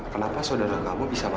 kenapa saudara kamu bisa makan